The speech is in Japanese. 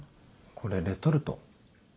これレトルト？